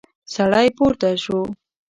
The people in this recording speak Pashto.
سړی پورته شو.